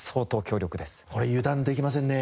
これ油断できませんね。